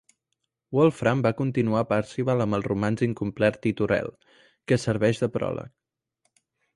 Wolfram va continuar "Parzival" amb el romanç incomplet "Titurel", que serveix de pròleg.